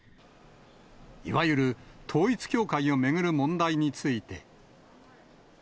いわゆる統一教会を巡る問題について。